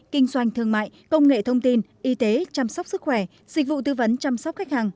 kinh doanh thương mại công nghệ thông tin y tế chăm sóc sức khỏe dịch vụ tư vấn chăm sóc khách hàng